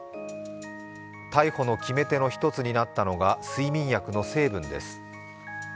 逮捕の決め手の１つになったのが睡眠薬の成分です。